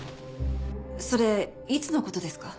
それいつの事ですか？